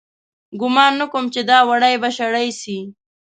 گومان نه کوم چې دا وړۍ به شړۍ سي